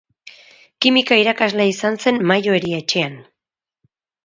Kimika irakaslea izan zen Mayo Erietxean.